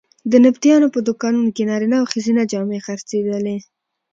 د نبطیانو په دوکانونو کې نارینه او ښځینه جامې خرڅېدلې.